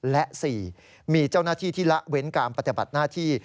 และ๔มีเจ้าหน้าที่ที่ละเว้นการปฏิบัติหน้าที่